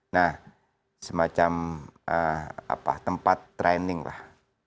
nah semacam tempat training lah